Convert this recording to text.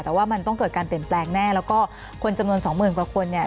แต่ว่ามันต้องเกิดการเปลี่ยนแปลงแน่แล้วก็คนจำนวนสองหมื่นกว่าคนเนี่ย